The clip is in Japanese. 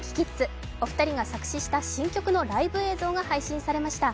お二人が作詞した新曲のライブ映像が配信されました。